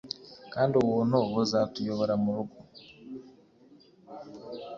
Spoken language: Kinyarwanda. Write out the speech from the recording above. Kandi ubuntu buzatuyobora murugo